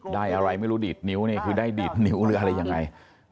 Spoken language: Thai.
ได้อะไรไม่รู้ดีดนิ้วนี่คือได้ดีดนิ้วหรืออะไรยังไง